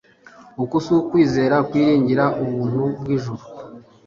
Uku si ukwizera kwiringira ubuntu bw'ijuru